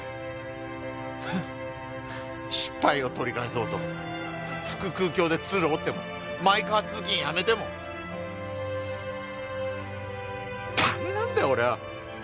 フッ失敗を取り返そうと腹腔鏡で鶴折ってもマイカー通勤やめてもダメなんだよ俺は。